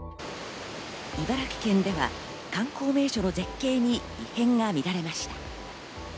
茨城県では観光名所の絶景に異変が見られました。